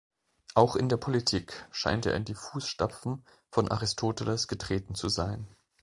Auch in der Politik scheint er in die Fußstapfen von Aristoteles getreten zu sein.